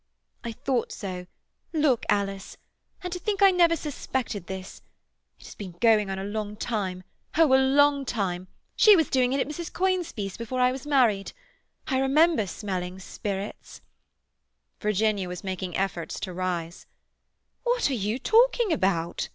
"I thought so. Look, Alice. And to think I never suspected this! It has been going on a long time—oh, a long time. She was doing it at Mrs. Conisbee's before I was married. I remember smelling spirits—" Virginia was making efforts to rise. "What are you talking about?"